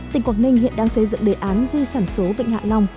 tỉnh quảng ninh hiện đang xây dựng đề án di sản số vịnh hạ long